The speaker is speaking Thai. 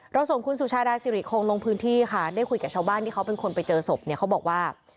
ส่งคุณสุชาดาสิริคงลงพื้นที่ค่ะได้คุยกับชาวบ้านที่เขาเป็นคนไปเจอศพเนี่ยเขาบอกว่า